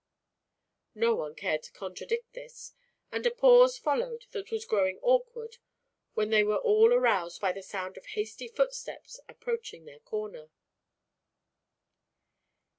No one cared to contradict this and a pause followed that was growing awkward when they were all aroused by the sound of hasty footsteps approaching their corner.